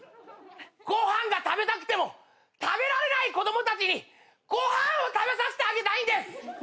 ご飯が食べたくても食べられない子供たちにご飯を食べさせてあげたいんです。